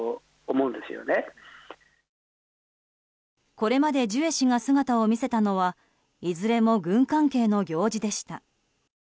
これまでジュエ氏が姿を見せたのはいずれも軍関係の行事でした。